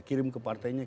kirim ke partainya